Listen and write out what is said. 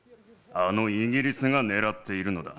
あのイギリスが狙っているのだ。